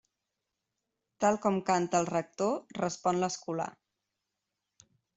Tal com canta el rector respon l'escolà.